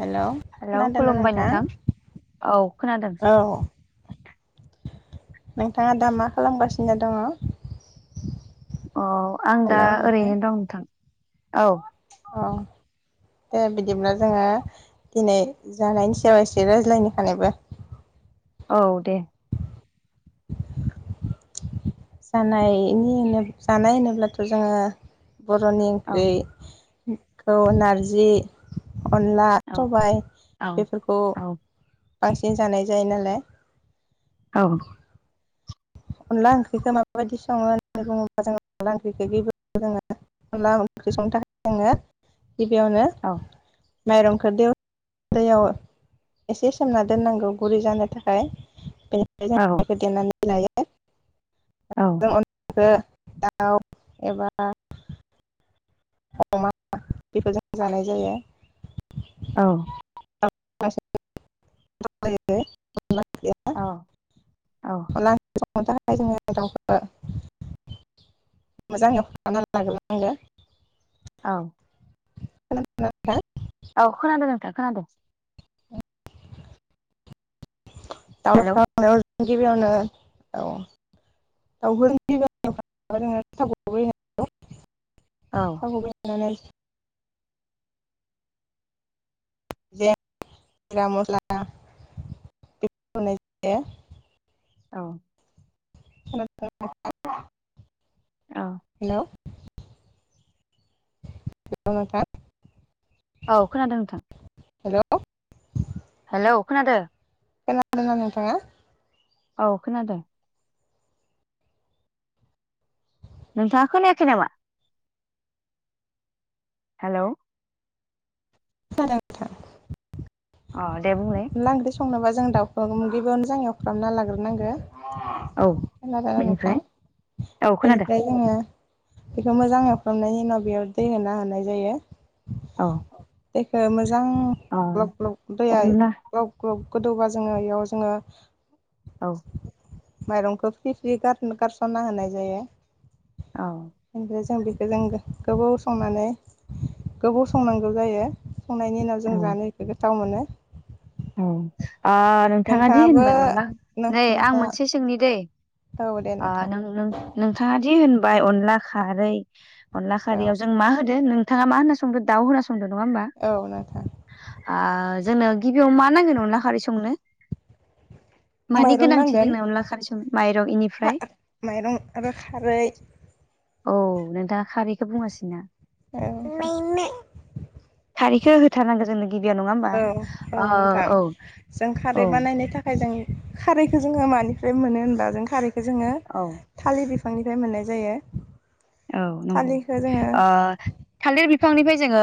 हेल' hello खोनादोंना खुलुमबाय नोंथां औ खोनादों औ नोंथाङा दा मा खालामगासिनो दङ? अ आं दा हेलौ नोंथां ओरैनो दं नोंथां। औ औ दे बिदिब्ला जोङो दिनै जानायनि सायाव एसे रायज्लायनि खानैबो औ दे जानायनि जानाय होनोब्लाथ' जोङो बर'नि औ ओंख्रि खौ नारजि अनला औ सबाय औ बेफोरखौ औ बांसिन जानाय जायो नालाय औ अनला ओंख्रिखौ माबायदि सङो होननानै बुङोब्ला जों अनला ओंख्रिखौ [unintelligible] जोङो अनला ओंख्रि संनो थाखाय जोङो गिबियावनो औ माइरंखौ दैयाव दैयाव एसे सोमना दोननांगौ गुरै जानो थाखाय बेनिफ्राय औ [inaudible] जों दिहुननानै लायो [inaudible] [inaudible] दाउ एबा अमा बेफोरजों जानाय जायो। औ [unintelligible] [unintelligible] औ थाखाय जोङो दाउखौ मोजाङै हनानै लाग्रोनांगौ औ [unintelligible] औ खोनादों नोंथा खोनादों दाव हेलौ [unintelligible] गिबियावनो औ दाउफोरनि औ [unintelligible] [unintelligible] जे जिरा मस्ला बो होनाय जायो औ [unintelligible] औ हेल' हेल' नोंथां औ खोनादों नोंथां हेल' हेल' खोनादो खोनादोंना नोंथाङा? औ खोनादों नोंथाङा खोनायाखै नामा? हेल' [unintelligible] अ दे बुंलाय अनला ओंख्रि संनोबा जों दाउखौ मगैयावनोजों एवख्राबना लाग्रोनांगो। औ खोनादोंना नोंथां बेनिफ्राय औ खोनादों बेनिफ्राय जोङो बेखौ मोजां एवफ्रामनायनि उनाव बेयाव दै होना होनाय जायो। औ दैखो मोज जां औ ग्लब ग्लब दैयाय अनला ग्लब गोदौबा जोङो इयाव जोङो औ। माइरंखौ फ्रि फ्रि गार गारस'ना होनाय जायो। औ बेनिफ्राय जों बे जों गोबाव संनानै गोबाव संनांगौ जायो संनायनि उनाव जों औ जानो बेखौ गोथाव मोनो। औ। ओ नोंथाङादि नोंथाङाबो होनदों अनला नै आं मोनसे नोंथाङा सोंनि दैे औ दे ओ नोंथां नों-नों-नोंथाङादि होन बाय अनला खारै। अनला औ खारियाव जों मा होदो नों थाङा मा होनना संदों दाउ होना सं [unintelligible] नङा होनबा औ नोंथां आ। जों [inaudible] गिबियाव मा नांगौनो अनला खारै संनो? मानि माइरं गोनांथि नांगोन जोंनो अनला खारै संनो माइरं इनिफ्राय माइरं आरो खारै। औ नोंथाङा खारैखौ बुङाासैना। औ [inaudible] खारिखखौ होथारनांगोन जों [unintelligible] गिबियाव नङा होमबा? औ औ ओ नोंथां औ जों खारै औ बानायनो थाखाय जों खारैखौ जोङा मानिफ्राय मोनो होनबा जों खारैखौ जोङो औ थालिर बिफां बिफांनिफ्राय मोननाय जायो। औ नंगौ थालिरखौ जोङो थालिर ओ थालिर बिफांनिफ्राय जोङो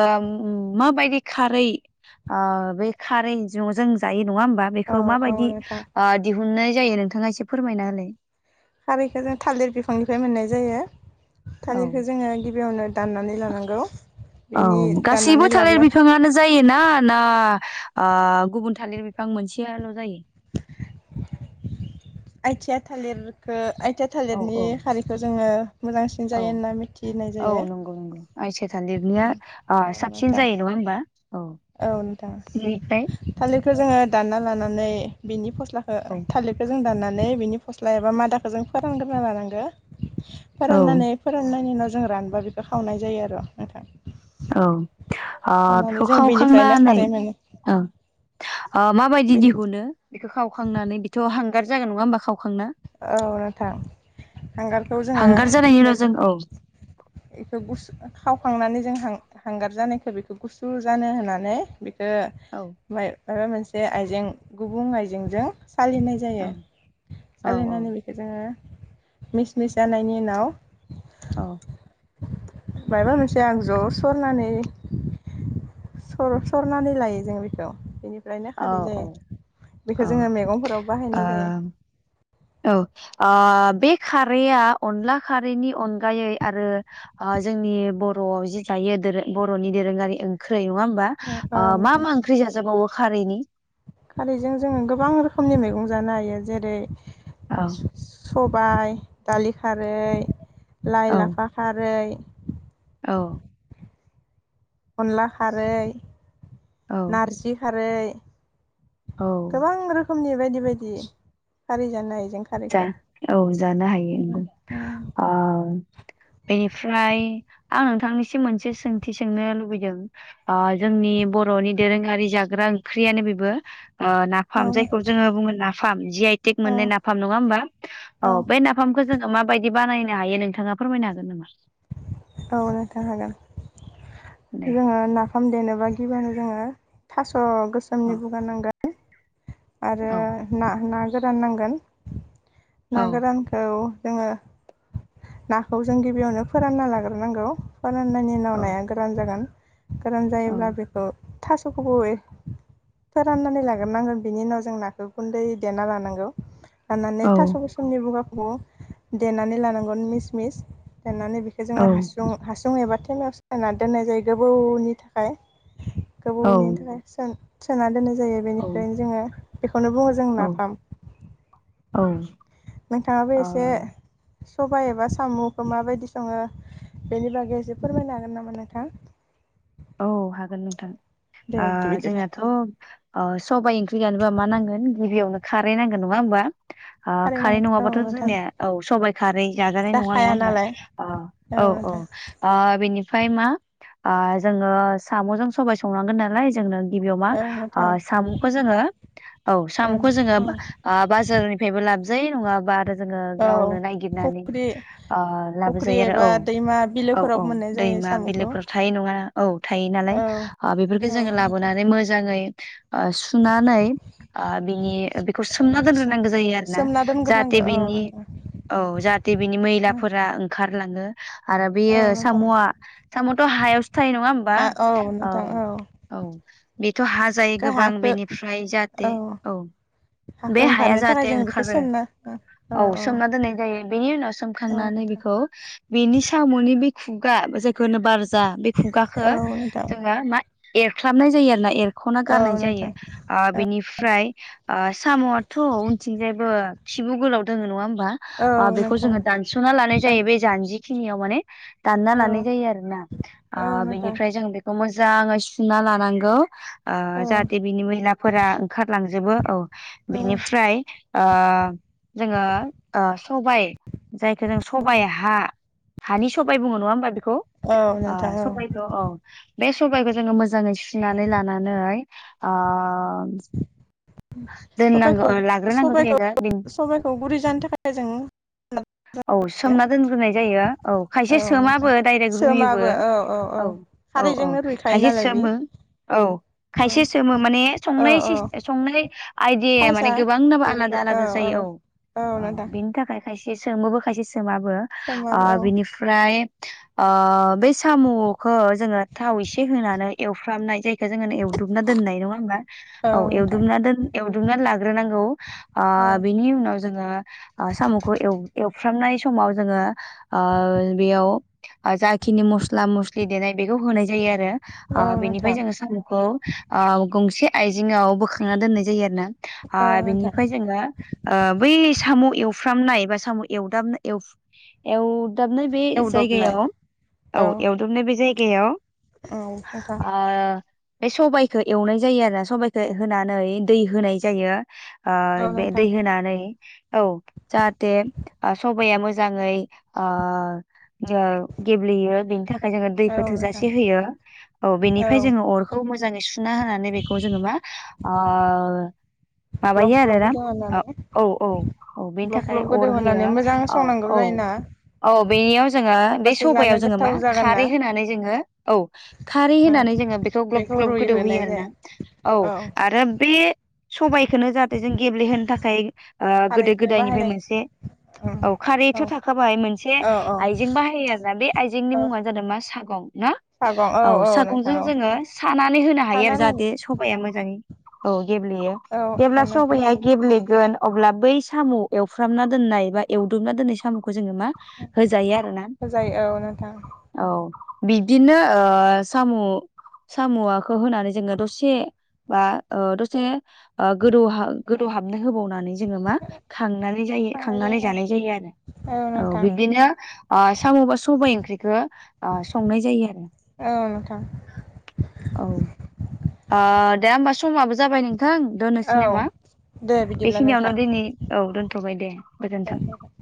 माबायदि खारै ओ बे खारै न' जायो। नङा होमबा औ बेखौ म औ बायदि नोंथां दिहनाय जायो नोंथाङा एसे फोरमायना हलाय। खारैखौ जों थालिर बिफांनिफ्राय मोननाय जायो। औ थालिरखौ जोङो गिबियावनो दाननानै लानांगौ औ बिनि गासैबो दाननानै लाब्ला- आ गुबुन थालिर बिफां मोनसेयाल' जायो। आइथिया थालिरखो आइ आइथिया औ थालिरनि औ खारिखौ जोङो मोजांसिन औ जायो होनना मिथिनाय औ जायो नंगौ नंगौ आइथिया थालिरनिया औ साबसिन नोंथां जायो नङा होमबा औ। औ बेनिफ्राय नोंथां थालिरखौ जोङो दानना लानानै। बिनि फस्ला औ फस्लाखो थालिरखौ जों दाननानै बिनि फस्ला एबा मादाखखौ जों फोरानग्रोना लानांगो औ फोराननानै फोराननायनि उनाव जों रानबा बेखौ खावनाय जायो आरो नोंथां। औ। ओ खावनानै बेखौ जों बेनिफ्रायनो खावखांनानै खारै मोनो ओ माबायदि बेनि दिहुनो। बेखौ खावखांनानै बिथ' हांगार जागोन नङा होमबा खाव। औ नोंथां हांगारखौ जोङो हांगार जानायनि उनाव जों बेखौ गुसु खावखांनानै जों हांगार जानायखौ बेखौ गुसु जानो होननानै ओ औ माइ माबा मोनसे आइजें गुबुं आइजेंजों। सालिनाय औ जायो औ सालिनानै बेखौ जोङो मिस मिस जानायनि उनाव औ मायबा मोनसे आगजु आव सरनानै सर सरनानै लायो जों बेखौ बेनिफ्राय फ्रायनो औ खारै जायो औ बेखौ जोङो मैगंफोराव बाहायनाय जायो। औ औ ओ बे खारैआ अनला खारैनि अनगायै आरो जोंनि बर'आव जि जायो बर'नि दोरोङारि ओंख्रै नङा होमा औ औ मा नोंथां। मा ओंख्रि जाजाबावो हारिनि खारैजों जोङो गोबां रोखोमनि मैगं जानो हायो जेरै औ सबाय दालि खारै लाइ औ लाफा खारै औ। अनला खारै औ नारजि खार नै। औ गोबां रोखोमनि बायदि बायदि खारि जानो हायो जों जा खारैखौ। औ जानो हायो अंगौ ओ बेनिफ्राय आं नोंथांनिसिम मोनसे सोंथि सोंनो लुबैदों जोंनि बर'नि दोरोङारि जाग्रा ओंख्रियानो बेबो औ नाफाम जायखौ जोङो बुङो नाफाम जि आइ तेक औ मोननाय नाफ नङा होमबा औ बे नाफामखौ जोङो माबायदि बानायनो हायो नोंथाङा फोरमायनो हागोन नामा। औ नोंथां हागोन। दे जोङो नाफाम देनो गिबियावनो जोङो थास स' औ गोसोमनि बुगा नांगोन आरो औ ना ना गोरान नांगोन। औ ना गोरानखौ जोङो नाखौ जों गिबियावनो फोरानना लाग्रोनांगौ। फोराननायनि उनाव नाया गोरान जागोन। गोरान औ जायोब्ला बेखौ थास'खौबो वे फोराननानै लाग्रोनांगोन। बिनि उनाव जों नाखौ गुन्दै देना लानांगौ। लानानै औ थास' गोसोमनि बुगाख देनानै लानांगोन मिस मिस देनानै बेखो जोङो हासुं हासुं एबा तेमायाव सोना दोननाय जायो गोबौनि थाखाय औ गोबौनि थाखाय सोन सोना दोनो। जायो औ बेनिफ्रायनो बे खौनो बुङो जों औ नाफाम ओ नोंथाङाबो एसे सबाइ एबा सामुखो माबायदि सङो बेनि बागै एसे फोरमायनो हागोन नामा नोंथां? औ हागोन नोंथां। दे ओ बिदिब्ला जोंनाथ' ओ सबाइ ओंख्रि जानोबा मा नांगोन गिबियावनो खारै नांगोन नङा ओनबा? ओ थारैनो खारै औ नङाबाथ' नोंथां जोंनिया औ सबाइ खारै जाजानाय नङा नङा जाखाया होनबा नालाय ओ औ औ ओ बेनि फाय मा ओ जोङो साम'जों सबाय संनांगोन नालाय जोंनो गिबियाव मा औ ओ नोंथां सामुखो जोङो औ उम सामुखो ओ जोङो औ बाजारनिफ्रायबो लाब जायो नङा बा आरो जोङो औ गावनो ननायागिरनानै फुख्रि ओ फुख्रि लाबोजायो आरो एबा औ दैमा औ बिलोफोराव औ मोननाय जायो दैमा साम'खौ बिलोफोर थायो नङा। थायोनालाय औ ओ बेफोरखो औ जोङो नोंथां लाबोनानै मोजां ङै। ओ सुनानै ओ बिनि बिखौ सोमना दोनग्रोनांगो जायो आरो ना सोमना दोनग्रोनांगौ जाहाथे औ बिनि नोंथां औ जाहाथे बिनि मैलाफोरा ओंखार [unintelligible] आरो औ बेयो नोंथां साम'आ साम'थ' हायावसो फ्राय नङा ओमबा हा औ नोंथां औ ओ औ। थ' हा जायो गोबां हाखो बेनिफ्राय जाहाथे औ हाखो बे हाया ओंखारनो थाखाय जाहाथे जोङो बेखौ ओंखारो सोमना औ औ सोमना दोननाय जायो बिनि उनाव सोमखांनानै नोंथां बेखौ बिनि साम'नि बि खुगा जायखो होनो बार खुगाखो औ नोंथां जोङो मा एरफ्लाबनाय जायो आरो ना एर एरखना औ गारनाय जायो नोंथां ओ बेनिफ्राय साम'आथ' उनथिंजायबो सिबु गोलाव दङ नङा होनबा औ बा ओ औ बेखौ नोंथां जों दनसना लानाय जायो बे जानजि खौहाय बे खिनियाव माने दानना औ लानाय जायो आरो ना ओ औ नोंथां बिनिफ्राय जों बेखौ मोजाङै सुना लानांगौ ओ औ जाहाथे बिनि मैलाफोरा ओंखारलांजोबो औ औ बेनिफ्राय ओ जोङो सबाइ जायखौ जों सबाइ हा हानि सबाइ बुङो नङा होमबा बेखौ ओ औ नोंथां औ सबाइखौ औ बे सबायखौ जोङो मोजाङै सुनानै लानानै ओ दोननांगौ सबाइखौ लाग्रोनांगौ सबाइखौ जायो सबाइखौ गुरै जानो थाखाय जों औ सोमना दोनग्रोनाय जायो औ खायसे सोमाबो डायरेक्ट रुयबो। औ औ औ खारैजोंनो रुइखायो खायसे नालाय बे सोमो औ। औ खायसे सोमो माने औ संनाय एसे औ संनाय आइदिया साइसआ माने गोबां बेलेबो आलादा औ आलादा जायो औ औ औ बिनि थाखाय। खायसे सोमोबो खायसे सोमाबो ओ सोमाबो औ बिनिफ्राय ओ बै साम'खो जोङो थाव एसे होनानै एवफ्रामनाय जायो। एखो जोङो एवदबना दोननाय नङा होनबा औ एवदबना दोन एवदोबना ला ग्रोनांगौ ओ औ बिनि उनाव जोङो साम'खौ एवफ्रामनाय। समाव जोङो बेयाव जाखिनि मस मस्ला मस्लि देनाय बेखौ होनाय जायो आरो। ओ औ बेनिफ्राय नोंथां जोङो साम'खौ ओ गंसे आइजेंआव बोखांना दोननाय जायो आरोना। औ ओ नोंथां बेनिफ्राय जोङो बै साम' एव एफ्रामनायबा बा साम' एवदाबनाय एवफ्रु एव दाबनाय बे एवदबनाय जायगायाव औ एवदबनाय बे बे जायगायाव औ नोंथां। ओ बे सबायाइखौ एवनाय जायो आरो सबाइखौ होनानै दै होनाय जायो। औ बे नोंथां दै होनानै औ जाहाथे सबाया मोजां मोजाङै गेब्लेयो। बिनि थाखा जोङो दैखौ औ नोंथां थोजासे होयो औ बेनिफ्राय जोङो अरखौ मोजाङै सुना होनानै बेखौ जोङो मा अ। ग्लब माबायो आरो ग्लब ना गोदौ होनानै औ औ औ बेनि ग्लब थाखाय ग्लब अर गोदौ होयो होनानै मोजां औ संनांगौ औ जायोना औ बेनियाव जोङो बे होमबासो जानो सबायाव जोङो मा गोथाव जागोन ना खारै होनानै जोङो औ खारै औ होनानै जोङो बेखौ ग्लब ग्लब गोदौ होयो रुइहोनाय आरोना जायो औ आरो बे सबायाइखौनो जाहाथे जों गेब्लेहोनो थाखाय गोदो खारैखौ गोदायनिफ्राय बाहायनाय मोनसे औ खारैथ' औ थाखाबाय मोनसे औ औ आइजें बाहायो आरोना बे आइजेंनि औ मुङा आरो मा सागं? ना सागं औ नोंथां सागंजों औ जोङो सानानै होनो हायो आरो सानानै जाहाथे सबाया मोजाङै औ। गेब्लेयो औ औ जेब्ला नोंथां सबाइया गेब्लेगोन। अब्ला बै साम एवफ्रामना दोननाय बा एवदबना दोननाय सामखौ जोङो मा होजायो आरोना। होजायो औ नोंथां औ बिब्दिनो ओ साम' साम'आखौ होनानै जोङो दसे बा ओ दसे ओ गोदौहा गोदौ हाबनो होबावनानै। जोङो मा खांनानै जायो खांनानै जानाय जायो आरो औ बिब्दिनो ओ सामबा सबायाइ ओंख्रिखो ओ संनाय जायो आरो। औ नोंथां। औ ओ दे होमबा समाबो जाबाय नों थां दोननोसै औ नामा दे बिदिब्ला नोंथां बेखिनियावनो दिनै औ दो थबाय दे। गोजोनथों। दे